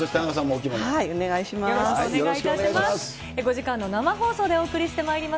お願いします。